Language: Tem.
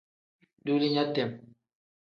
Duulinya tem.